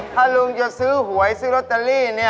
ถ้าลุงจะซื้อหวยซื้อลอตเตอรี่เนี่ย